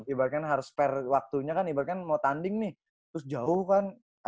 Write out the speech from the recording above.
ibaratnya harus fair waktunya kan ibaratnya mau tanding nih terus jauh kan